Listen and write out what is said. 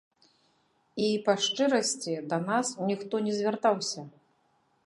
І, па шчырасці, да нас ніхто не звяртаўся.